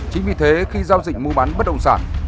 chính vì thế khi giao dịch mua bán bất động sản